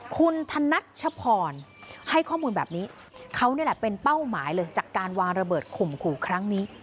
คุณธนัชพรให้ข้อมูลแบบนี้เขานี่แหละเป็นเป้าหมายเลยจากการวางระเบิดข่มขู่ครั้งนี้